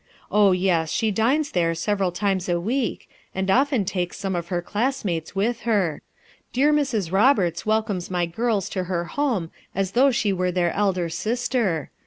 Oh, yes, she dines there several times a week and often takes some of her classmates with her* Dear Mrs. Roberts welcomes my girls to her home as though she were their elder sister.